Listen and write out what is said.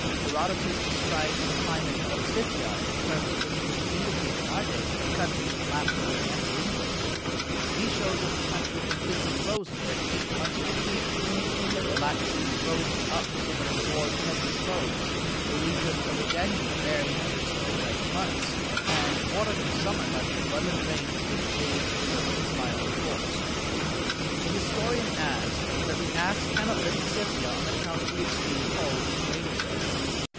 Herodotus describes the climate of Scythia in terms which would indicate in our day the countries of Lapland and Greenland. He shows us the country completely frozen during eight months of the year; the Black Sea frozen up so that it bore the heaviest loads; the region of the Danube buried under snow for eight months, and watered in summer by the abundant rains which gave to the river its violent course. The historian adds that the ass cannot live in Scythia on account of the extreme cold which reigns there.